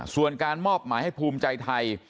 ส่วนการมอบหมายให้ภูมิใจไทย